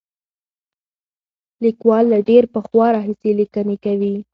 لیکوال له ډېر پخوا راهیسې لیکنې کوي.